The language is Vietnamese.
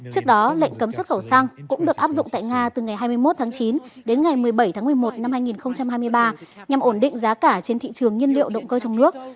trước đó lệnh cấm xuất khẩu xăng cũng được áp dụng tại nga từ ngày hai mươi một tháng chín đến ngày một mươi bảy tháng một mươi một năm hai nghìn hai mươi ba nhằm ổn định giá cả trên thị trường nhiên liệu động cơ trong nước